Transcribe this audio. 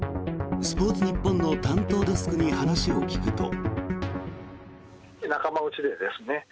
スポーツニッポンの担当デスクに話を聞くと。